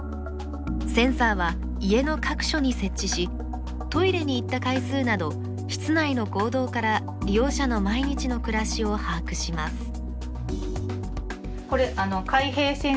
センサーは家の各所に設置しトイレに行った回数など室内の行動から利用者の毎日の暮らしを把握します。